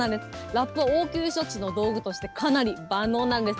ラップは応急処置の道具として、かなり万能なんです。